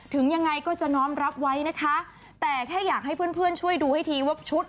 ถึงยังไงก็จะน้อมรับไว้นะคะแต่แค่อยากให้เพื่อนเพื่อนช่วยดูให้ทีว่าชุด